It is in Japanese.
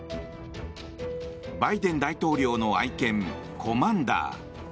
バイデン大統領の愛犬コマンダー。